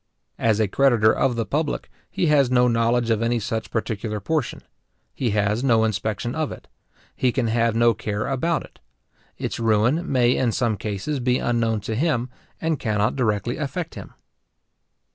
As a creditor of the public, he has no knowledge of any such particular portion. He has no inspection of it. He can have no care about it. Its ruin may in some cases be unknown to him, and cannot directly affect him.